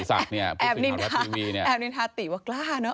อาบนินทาติว่ากล้าเนอะ